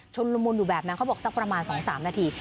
ละมุนอยู่แบบนั้นเขาบอกสักประมาณ๒๓นาที